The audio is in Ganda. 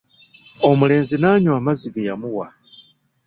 Omulenzi n'anywa amazzi ge yamuwa.